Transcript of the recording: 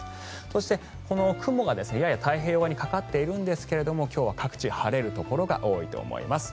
そしてこの雲がやや太平洋側にかかっているんですが今日は各地、晴れるところが多いと思います。